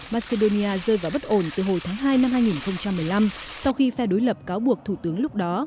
macedonia rơi vào bất ổn từ hồi tháng hai năm hai nghìn một mươi năm sau khi phe đối lập cáo buộc thủ tướng lúc đó